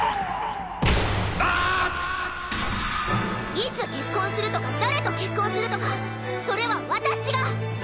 いつ結婚するとか誰と結婚するとかそれは私が！